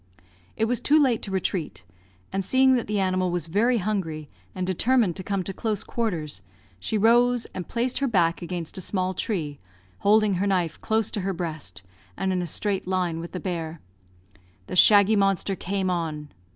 It was too late to retreat; and seeing that the animal was very hungry, and determined to come to close quarters, she rose, and placed her back against a small tree, holding her knife close to her breast, and in a straight line with the bear. The shaggy monster came on.